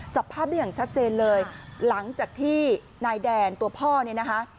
จับภาพได้อย่างชัดเจนเลยหลังจากที่นายแดนตัวพ่อเนี่ยนะคะ